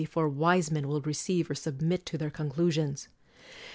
124 CROMWELL wise men will receive or submit to their conclu sions